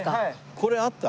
これあった？